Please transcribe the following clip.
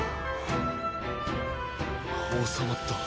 収まった。